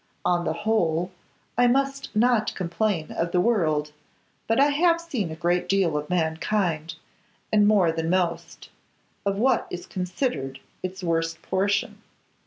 On the whole, I must not complain of the world, but I have seen a great deal of mankind, and more than most, of what is considered its worst portion.